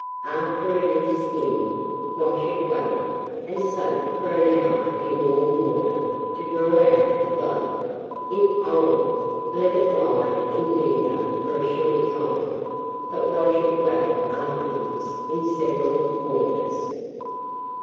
After it is skinned, wash it well, and soak for an hour in warm water to draw out the blood; if old, let it lie in vinegar for a short time, but wash it well afterwards in several waters.